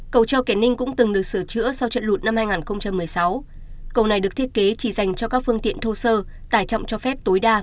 cầu treo kẻ ninh cũng từng được sửa chữa sau trận lụt năm hai nghìn một mươi sáu cầu này được thiết kế chỉ dành cho các phương tiện thô sơ tải trọng cho phép tối đa